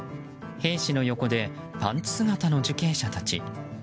兵士の横でパンツ姿の受刑者たち。